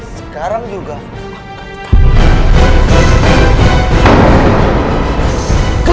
sekarang juga aku akan